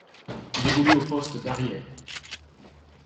Il évolue aux poste d'arrière.